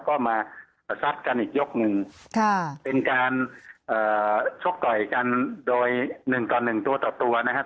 ก็มาซัดกันอีกยกหนึ่งเป็นการชกต่อยกันโดย๑ต่อ๑ตัวต่อตัวนะครับ